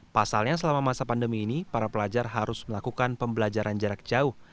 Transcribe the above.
pasalnya selama masa pandemi ini para pelajar harus melakukan pembelajaran jarak jauh